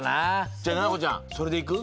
じゃあななこちゃんそれでいく？